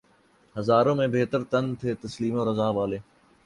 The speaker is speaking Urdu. ہزاروں میں بہتر تن تھے تسلیم و رضا والے